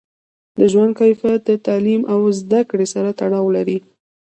د ژوند کیفیت د تعلیم او زده کړې سره تړاو لري.